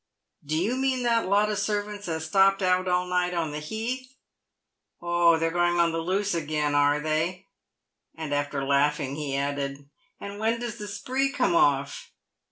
" Do you mean that lot o' servants as stopped out all night on the 144 PAVED WITH GOLD. Heath ? Oh, they're going on the loose again, are they ?" And after laughing, he added, " And when does the spree come off?"